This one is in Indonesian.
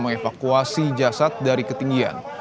mengevakuasi jasad dari ketinggian